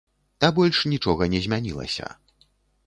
А больш нічога не змянілася.